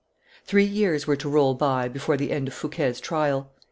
Three years were to roll by before the end of Fouquet's trial.